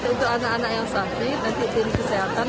untuk anak anak yang sakit nanti tim kesehatan